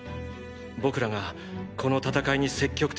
僕らがこの戦いに積極的になるのを。